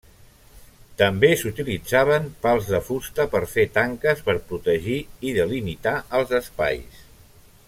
També s’utilitzaven pals de fusta per fer tanques per protegir i delimitar els espais.